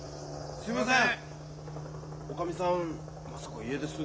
すいません！